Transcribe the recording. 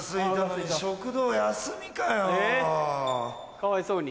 かわいそうに。